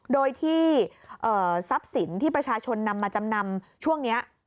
โดยที่ทรัพย์สินที่ประชาชนนำมาจำนำช่วงนี้